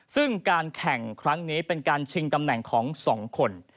ซึ่งการแข่งครั้งนี้เป็นการชิงตำแหน่งของ๒คน